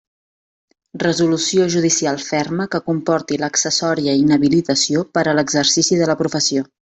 Resolució judicial ferma que comporti l'accessòria inhabilitació per a l'exercici de la professió.